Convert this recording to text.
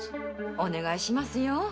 お願いしますよ。